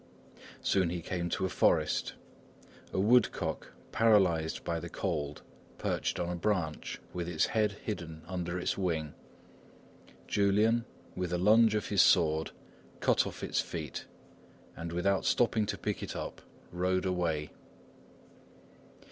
Soon he came to a forest. A woodcock, paralysed by the cold, perched on a branch, with its head hidden under its wing. Julian, with a lunge of his sword, cut off its feet, and without stopping to pick it up, rode away.